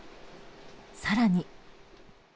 更に。